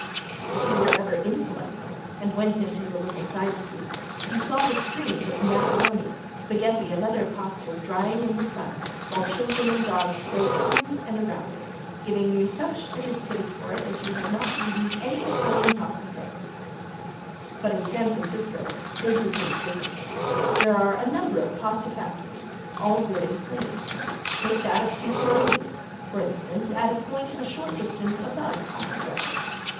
If you were ever in Palermo and went into the little side streets, you saw the strings of macaroni, spaghetti and other pastes drying in the sun while children and dogs played through and around it, giving you such a distaste for it that you have not eaten any Italian paste since. But in San Francisco they do things differently. There are a number of paste factories, all good and all clean. Take that of P. Fiorini, for instance, at a point a short distance above Costa Brothers.